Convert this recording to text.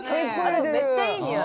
めっちゃいい匂い。